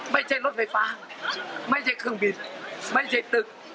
ไม่ใช่รถไฟฟ้าไม่ใช่เครื่องบินไม่ใช่ตึก